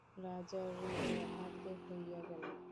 রাজার হৃদয় আর্দ্র হইয়া গেল।